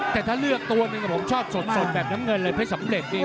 แต่ถ้าเลือกตัวหนึ่งผมชอบสดแบบน้ำเงินละเพื่อนสัมเตฎิบดี